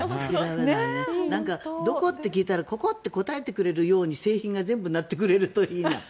どこ？って聞いたらここって答えてくれるように製品が全部なってくれるといい。